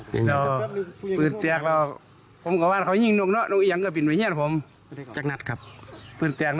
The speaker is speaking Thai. ผมนึกว่าเนี่ยเขาหยิ่งนกเอง